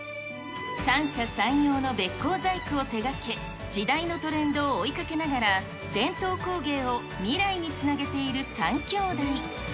三者三様のべっ甲細工を手がけ、時代のトレンドを追いかけながら、伝統工芸を未来につなげている３兄弟。